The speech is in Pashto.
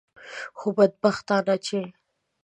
خو بدبختانه چې.